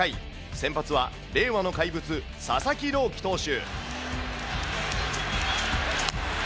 先発は令和の怪物、佐々木朗希投手。